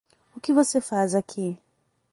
O que você faz aqui?